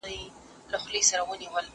هغه څوک چي ږغ اوري پام کوي!!